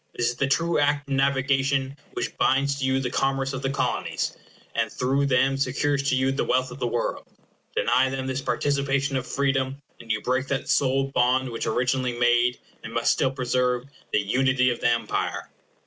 This is the true Act of Navigation which binds to you the commerce of the Colonies, and through them secures to you the wealth of the world. Deny them this participation of freedom, and you break that sole bond which originally made, and must still preserve, the unity of the Empire.